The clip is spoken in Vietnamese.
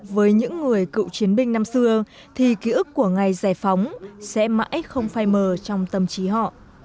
với những người cựu chiến binh năm xưa thì ký ức của ngày giải phóng sẽ mãi không phai mờ trong tâm trí họ